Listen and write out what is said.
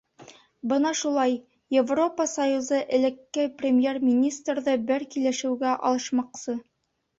Бына шулай, Европа союзы элекке премьер-министрҙы бер килешеүгә алышмаҡсы.